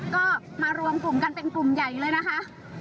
ก็มารวมกลุ่มกันเป็นกลุ่มใหญ่เลยนะคะ